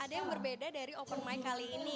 ada yang berbeda dari open mic kali ini